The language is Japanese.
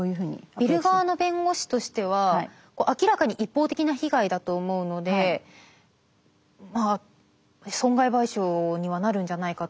ビル側の弁護士としては明らかに一方的な被害だと思うので損害賠償にはなるんじゃないかと。